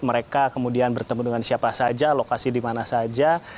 mereka kemudian bertemu dengan siapa saja lokasi di mana saja